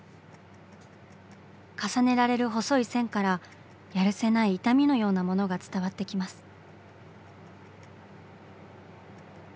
重ねられる細い線からやるせない痛みのようなものが伝わってきます。